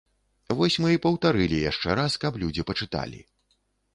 Вось мы і паўтарылі яшчэ раз, каб людзі пачыталі.